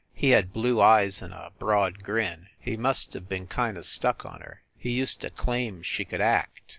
He had blue eyes and a broad grin. He must have been kind of stuck on her he used to claim she could act.